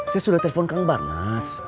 saya sudah telpon kang barnas